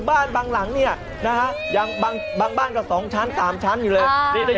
บางหลังเนี่ยนะฮะยังบางบ้านก็๒ชั้น๓ชั้นอยู่เลย